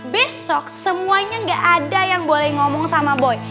besok semuanya gak ada yang boleh ngomong sama boy